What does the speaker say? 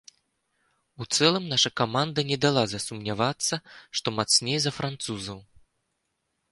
У цэлым, наша каманда не дала засумнявацца, што мацней за французаў.